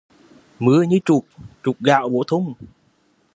Mưa như trút, trút gạo vô thùng